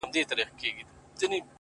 هغې بېگاه زما د غزل کتاب ته اور واچوه؛